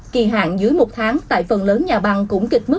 kỳ hạn dưới một tháng tại phần lớn nhà băng cũng kịch mức